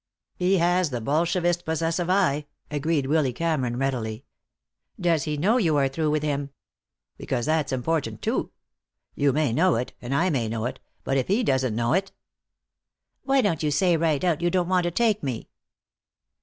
"He has the Bolshevist possessive eye," agreed Willy Cameron, readily. "Does he know you are through with him? Because that's important, too. You may know it, and I may know it, but if he doesn't know it " "Why don't you say right out you don't want to take me?"